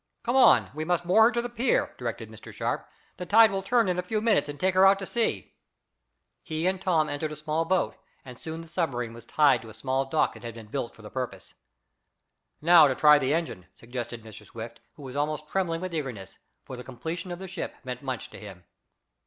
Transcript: "Come on, we must moor her to the pier," directed Mr. Sharp. "The tide will turn in a few minutes and take her out to sea." He and Tom entered a small boat, and soon the submarine was tied to a small dock that had been built for the purpose. "Now to try the engine," suggested Mr. Swift, who was almost trembling with eagerness; for the completion of the ship meant much to him.